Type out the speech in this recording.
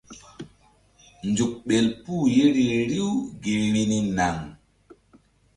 Nzuk ɓel puh yeri riw gi vbi ni naŋ.